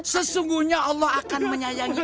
sesungguhnya allah akan menyayangi